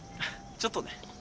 ちょっとね。